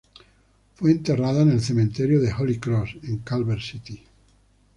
Fue enterrada en el Cementerio de Holy Cross, en Culver City.